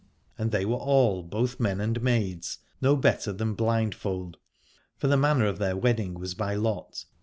And they were all, both men and maids, no better than blind fold, for the manner of their wedding was by lot.